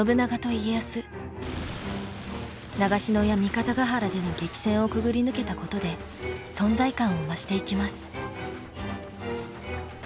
長篠や三方ヶ原での激戦をくぐり抜けたことで存在感を増していきます。